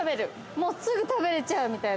もうすぐ食べれちゃってみたいな。